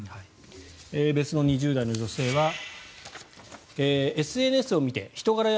別の２０代女性はＳＮＳを見て人柄や